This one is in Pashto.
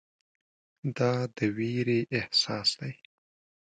دا د ویرې احساس دی.